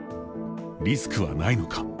リスクはないのか。